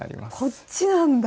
こっちなんだ！